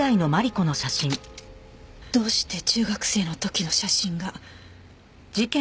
どうして中学生の時の写真が。